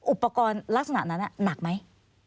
อุปกรณ์ลักษณะนั้นหนักไหม